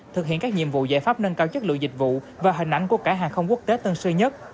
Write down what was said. thực hiện các nhiệm vụ giải pháp nâng cao chất lượng dịch vụ và hình ảnh của cảng hàng không quốc tế tân sơn nhất